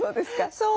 そう。